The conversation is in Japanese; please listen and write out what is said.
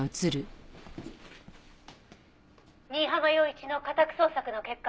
「新浜陽一の家宅捜索の結果は？」